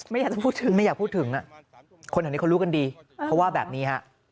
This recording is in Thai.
ไม่อยากพูดถึงคนที่นี่เขารู้กันดีเพราะว่าแบบนี้